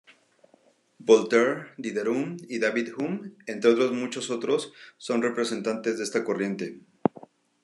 Voltaire, Diderot y David Hume, entre muchos otros, son representantes de esta corriente.